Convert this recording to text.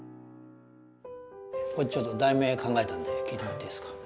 これちょっと題名考えたんで聞いてもらっていいですか？